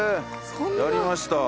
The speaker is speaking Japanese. やりました。